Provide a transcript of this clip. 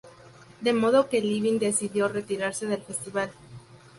De modo que el Living decidió retirarse del festival.